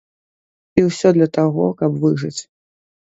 І ўсё для таго, каб выжыць.